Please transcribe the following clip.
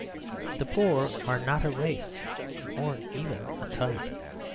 The poor are not a race or even a type.